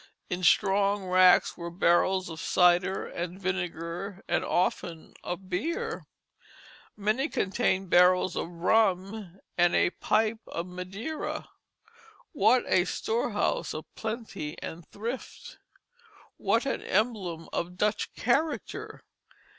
In strong racks were barrels of cider and vinegar, and often of beer. Many contained barrels of rum and a pipe of Madeira. What a storehouse of plenty and thrift! What an emblem of Dutch character!